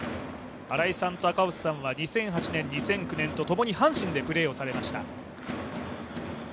新井さんと赤星さんは２００８年、２００９年、共に阪神でプレーされました。